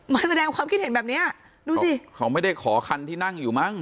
มาแสดงความคิดเห็นแบบเนี้ยดูสิเขาไม่ได้ขอคันที่นั่งอยู่มั้ง